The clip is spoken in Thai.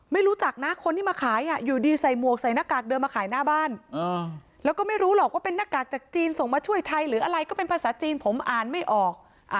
ไม่รู้จักนะคนที่มาขายอยู่ดีใส่หมวกใส่หน้ากากเดินมาขายหน้าบ้านแล้วก็ไม่รู้หรอกว่าเป็นหน้ากากจากจีนส่งมาช่วยไทยหรืออะไรก็เป็นภาษาจีนผมอ่านไม่ออก